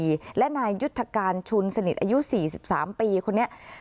และทางนายยุทธการสนิทสนิท๔๓ปี